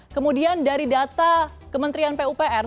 kemudian dari data kementerian pupr